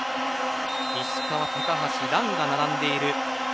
石川、高橋藍が並んでいる。